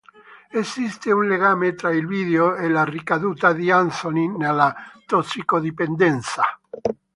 Esiste un legame tra il video e la ricaduta di Anthony nella tossicodipendenza.